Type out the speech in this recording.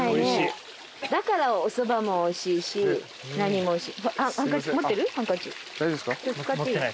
だからおそばもおいしいし何もおいしい。